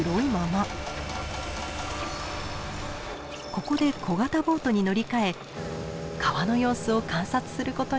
ここで小型ボートに乗り換え川の様子を観察することに。